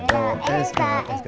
hai gua sih